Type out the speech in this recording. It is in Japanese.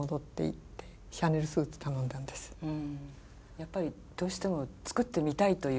やっぱりどうしても作ってみたいという。